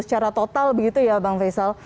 secara total begitu ya bang faisal